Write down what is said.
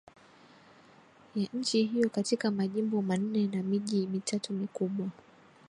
ya nchi hiyo katika majimbo manne na miji mitatu mikubwa